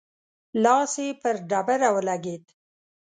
لاس يې پر ډبره ولګېد.